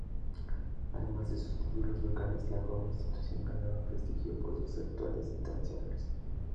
Además de sus títulos locales, la joven institución ganaba prestigio por sus actuaciones internacionales.